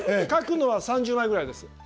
書くのは３０枚ぐらいです。